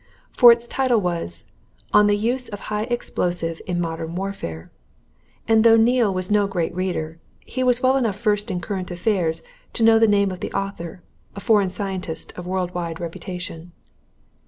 For its title was "On the Use of High Explosive in Modern Warfare," and though Neale was no great reader, he was well enough versed in current affairs to know the name of the author, a foreign scientist of world wide reputation.